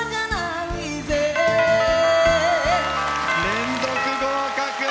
連続合格！